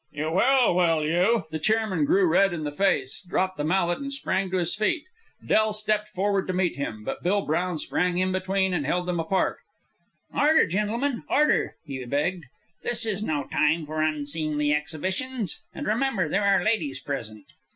"You will, will you?" The chairman grew red in the face, dropped the mallet, and sprang to his feet. Del stepped forward to meet him, but Bill Brown sprang in between and held them apart. "Order, gentlemen, order," he begged. "This is no time for unseemly exhibitions. And remember there are ladies present."